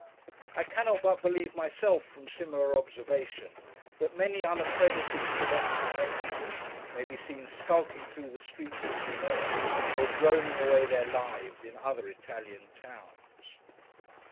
I cannot but believe myself, from similar observation, that many unaccredited celestial messengers may be seen skulking through the streets of Genoa, or droning away their lives in other Italian towns.